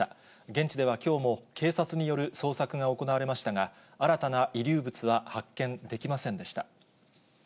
現地ではきょうも警察による捜索が行われましたが、新たな遺留物は発見できませんでした。